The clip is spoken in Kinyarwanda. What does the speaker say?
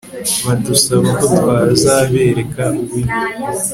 badusaba ko twazabereka uburyo